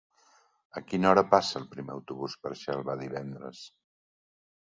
A quina hora passa el primer autobús per Xelva divendres?